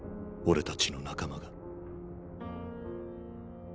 俺たちの仲間が。